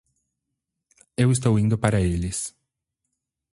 Eu estou indo para eles.